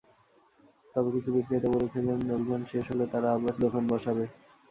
তবে কিছু বিক্রেতা বলছিলেন অভিযান শেষ হলে তাঁরা আবার দোকান বসাবেন।